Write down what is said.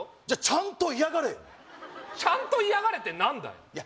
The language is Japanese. じゃあちゃんと嫌がれよちゃんと嫌がれって何だよ？